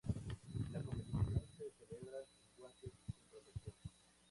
La competición se celebra sin guantes y sin protección.